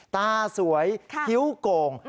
ตาสวยคิ้วโก่ง